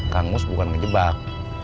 kang mus bukan ngejebak